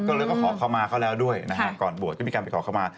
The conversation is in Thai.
ก็เลยก็ขอเข้ามาเขาแล้วด้วยนะฮะก่อนบวชก็มีการไปขอเข้ามา